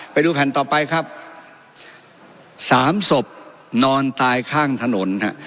ไปดูแผ่นต่อไปครับสามศพนอนตายข้างถนนฮะ